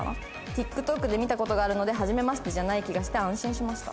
ＴｉｋＴｏｋで見た事があるのではじめましてじゃない気がして安心しました。